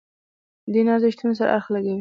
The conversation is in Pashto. دین ارزښتونو سره اړخ لګوي.